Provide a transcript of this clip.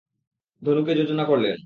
ধনুকে যোজনা করলেন।